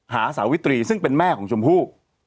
สาวิตรีซึ่งเป็นแม่ของชมพู่